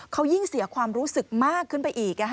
เขายิ่งเสียความรู้สึกมากขึ้นไปอีก